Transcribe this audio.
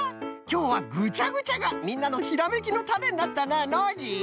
きょうはぐちゃぐちゃがみんなのひらめきのタネになったなノージー。